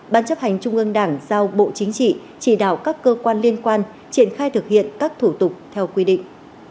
ban chấp hành trung ương đảng giao bộ chính trị chỉ đạo các cơ quan liên quan triển khai thực hiện các thủ tục theo quy định